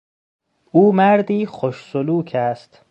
او مردی خوش سلوک است.